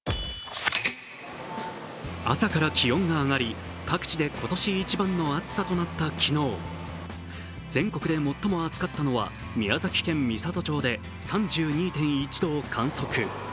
朝から気温が上がり、各地で今年一番の暑さとなった昨日、全国で最も暑かったのは宮崎県美郷町で３２．１度を観測。